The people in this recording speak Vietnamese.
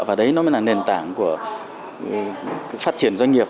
và đấy nó mới là nền tảng của phát triển doanh nghiệp